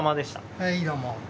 はいどうも。